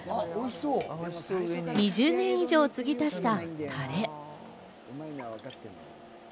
２０年以上、継ぎ足したタレ。